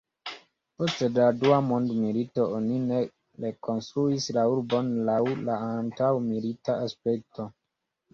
Post la Dua Mondmilito oni ne rekonstruis la urbon laŭ la antaŭmilita aspekto.